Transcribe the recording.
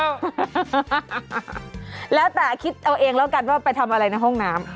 แล้วแต่คิดเอาเองแล้วกันว่าไปทำอะไรในห้องน้ำ